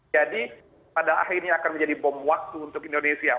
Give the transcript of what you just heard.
jadi pada akhirnya akan menjadi bom waktu untuk indonesia